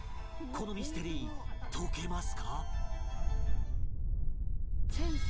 このミステリー解けますか？